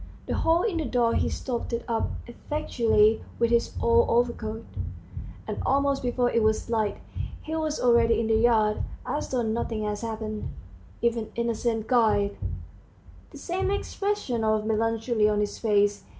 The hole in the door he stopped up effectually with his old overcoat, and almost before it was light he was already in the yard, as though nothing had happened, even innocent guile! the same expression of melancholy on his face.